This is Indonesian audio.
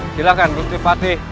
silahkan gusti patih